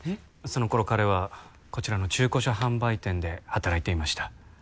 その頃彼はこちらの中古車販売店で働いていました